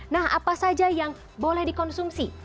nah apa saja yang boleh dikonsumsi